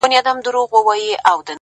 نورو ته مي شا کړې ده تاته مخامخ یمه،